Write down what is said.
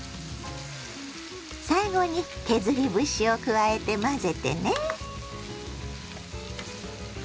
最後に削り節を加えて混ぜてね。